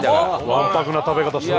わんぱくな食べ方して。